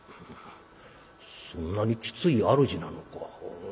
「そんなにきつい主なのか。